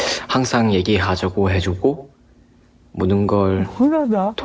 ลองฟังภาษาเกาหลีนิดนึง